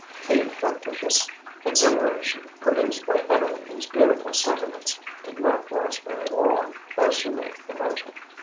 "The factitious exhilaration produced by uttering these beautiful sentiments did not last very long, as you may imagine.